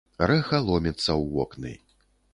Рэха ломіцца ў вокны.